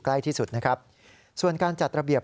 ใกล้ที่สุดนะครับส่วนการจัดระเบียบ